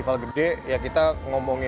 melantunkan sembilan lagu